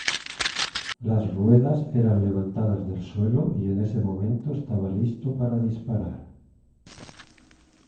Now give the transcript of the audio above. Las ruedas eran levantadas del suelo y en ese momento estaba listo para disparar.